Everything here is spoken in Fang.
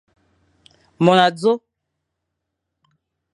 Mon azo.